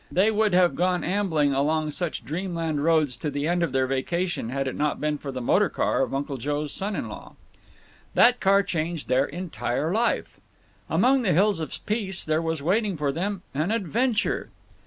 They would have gone ambling along such dreamland roads to the end of their vacation had it not been for the motor car of Uncle Joe's son in law. That car changed their entire life. Among the hills of peace there was waiting for them an adventure.